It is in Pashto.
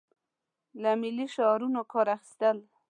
له ملي شعارونو کار اخیستل.